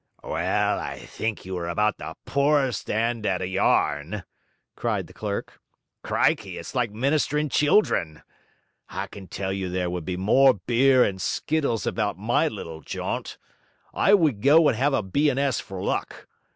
'Well, I think you are about the poorest 'and at a yarn!' cried the clerk. 'Crikey, it's like Ministering Children! I can tell you there would be more beer and skittles about my little jaunt. I would go and have a B. and S. for luck.